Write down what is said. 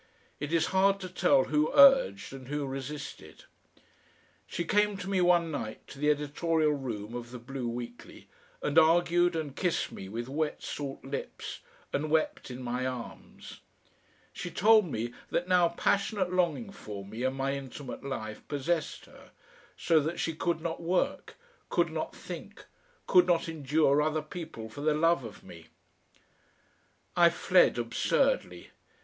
It is hard to tell who urged and who resisted. She came to me one night to the editorial room of the BLUE WEEKLY, and argued and kissed me with wet salt lips, and wept in my arms; she told me that now passionate longing for me and my intimate life possessed her, so that she could not work, could not think, could not endure other people for the love of me.... I fled absurdly.